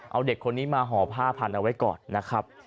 เอาเด็กคนนี้มาห่อผ้าพันเอาไว้ก่อนนะครับ